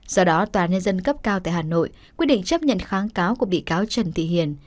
do đó tòa nhân dân cấp cao tại hà nội quyết định chấp nhận kháng cáo của bị cáo trần thị hiền